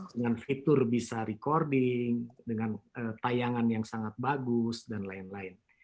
dengan fitur bisa recording dengan tayangan yang sangat bagus dan lain lain